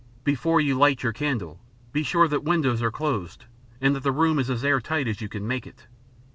Before you light your candle, be sure that windows are closed and the room is as air tight as you can make it.